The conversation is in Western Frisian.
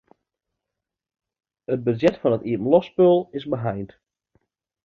It budzjet fan it iepenloftspul is beheind.